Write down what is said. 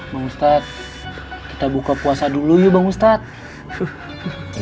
bang ustadz kita buka puasa dulu yuk bang ustadz